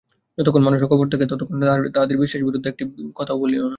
যতক্ষণ মানুষ অকপট থাকে, ততক্ষণ তাহার বিশ্বাসের বিরুদ্ধে একটি কথাও বলিও না।